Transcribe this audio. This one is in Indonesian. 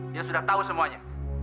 dia sudah tahu semuanya